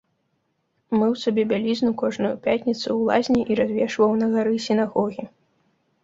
Мыў сабе бялізну кожную пятніцу ў лазні і развешваў на гары сінагогі.